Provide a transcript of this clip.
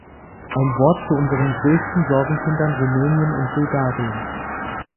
Ein Wort zu unseren größten Sorgenkindern Rumänien und Bulgarien.